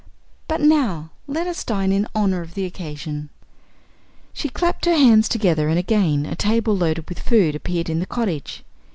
But now let us dine in honor of the occasion." She clapped her hands together and again a table loaded with food appeared in the cottage.